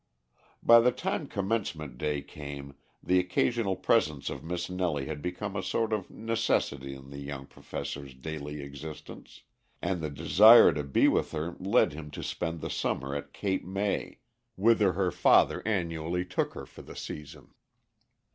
By the time commencement day came the occasional presence of Miss Nellie had become a sort of necessity in the young professor's daily existence, and the desire to be with her led him to spend the summer at Cape May, whither her father annually took her for the season.